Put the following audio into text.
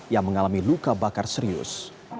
yang mengalami luka bakar serius